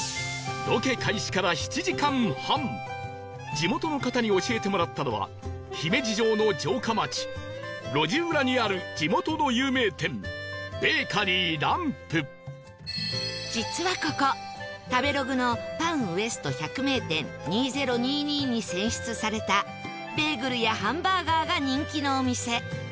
地元の方に教えてもらったのは姫路城の城下町路地裏にある地元の有名店実はここ食べログのパン ＷＥＳＴ 百名店２０２２に選出されたベーグルやハンバーガーが人気のお店